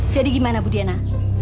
jadi gimana bu diana